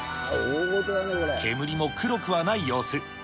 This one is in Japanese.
煙も黒くはない様子。